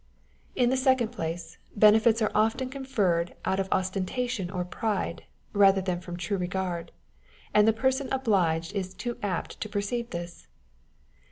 In the second place, benefits are often conferred out of ostentation or pride, rather than from true regard ; and the person obliged is too apt to perceive this.